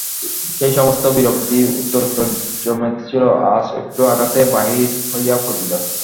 সেই-সমস্ত বিরক্তি উত্তরোত্তর জমিতেছিল–আজ একটু আঘাতেই বাহির হইয়া পড়িল।